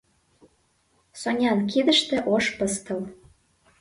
Сонян кидыште — ош пыстыл.